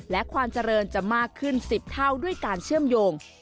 และความเจริญจะมากขึ้น๑๐เท่าด้วยการเชื่อมโยง